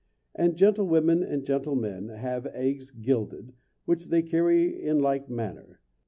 And gentlewomen and gentlemen have eggs gilded, which they carry in like manner.